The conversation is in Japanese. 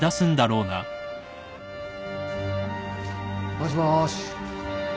もしもし。